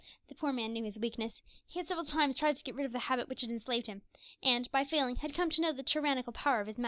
The poor man knew his weakness. He had several times tried to get rid of the habit which had enslaved him, and, by failing, had come to know the tyrannical power of his master.